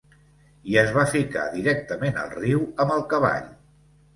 I es va ficar directament al riu amb el cavall.